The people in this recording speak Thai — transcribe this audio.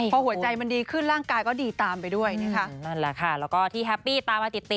พอหัวใจมันดีขึ้นร่างกายก็ดีตามไปด้วยนะคะ